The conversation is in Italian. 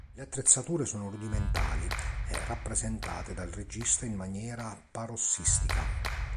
Le attrezzature sono rudimentali e rappresentate dal regista in maniera parossistica.